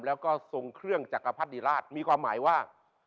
แล้วก็ทรงเครื่องจักรพรรดิราชมีความหมายว่า